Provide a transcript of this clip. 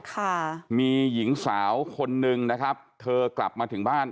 ค่ะมีหญิงสาวคนนึงนะครับเธอกลับมาถึงบ้าน